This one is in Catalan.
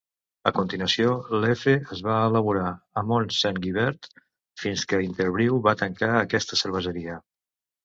A continuació, Leffe es va elaborar a Mont-Saint-Guibert fins que Interbrew va tancar aquesta cerveseria.